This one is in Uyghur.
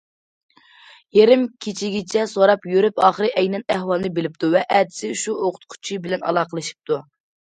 يېرىم كېچىگىچە سوراپ يۈرۈپ، ئاخىرى ئەينەن ئەھۋالنى بىلىپتۇ ۋە ئەتىسى شۇ ئوقۇتقۇچى بىلەن ئالاقىلىشىپتۇ.